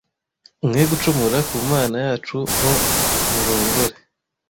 mwe gucumura ku Mana yacu nko murongore